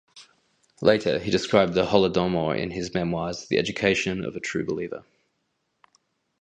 Later, he described the Holodomor in his memoirs "The Education of a True Believer".